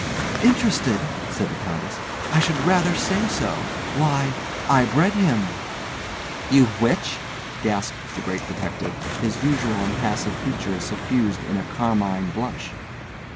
"Interested!" said the Countess. "I should rather say so. Why, I bred him!" "You which?" gasped the Great Detective, his usually impassive features suffused with a carmine blush.